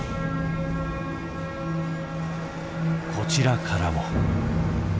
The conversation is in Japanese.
こちらからも。